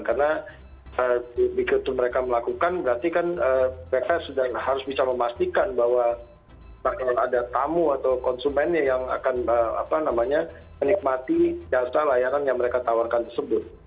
karena begitu mereka melakukan berarti kan mereka sudah harus bisa memastikan bahwa ada tamu atau konsumennya yang akan menikmati jasa layaran yang mereka tawarkan tersebut